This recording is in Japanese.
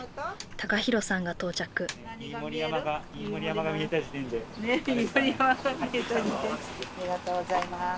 ありがとうございます。